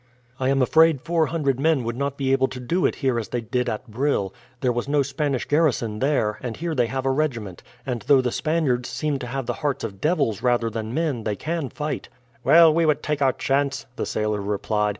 "I am afraid four hundred men would not be able to do it here as they did at Brill. There was no Spanish garrison there, and here they have a regiment; and though the Spaniards seem to have the hearts of devils rather than men, they can fight." "Well, we would take our chance," the sailor replied.